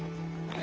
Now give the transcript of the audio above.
あ？